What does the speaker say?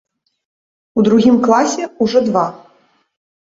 У другім класе ўжо два.